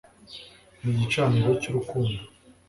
ni igicaniro cy'urukundo